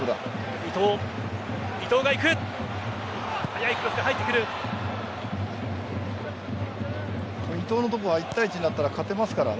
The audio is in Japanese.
伊東のところは一対一になったら勝てますからね。